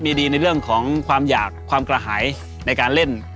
มีดีในเรื่องของความอยากความกระหายในการเล่น